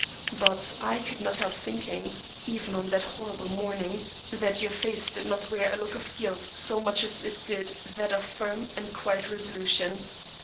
But I could not help thinking, even on that horrible morning, that your face did not wear a look of guilt so much as it did that of firm and quiet resolution.